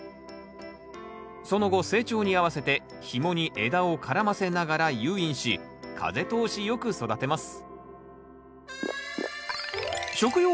その後成長に合わせてひもに枝を絡ませながら誘引し風通しよく育てます